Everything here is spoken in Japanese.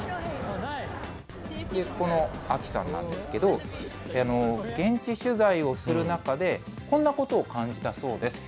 このアキさんなんですけど、現地取材をする中で、こんなことを感じたそうです。